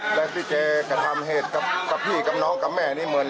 อาการที่นี่ทั้งลำมาเตรียมน่ะมันจะเป็นอย่างนี้ซั่ง